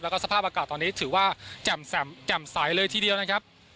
แล้วก็สภาพอากาศตอนนี้ถือว่าแจ่มใสเลยทีเดียวนะครับ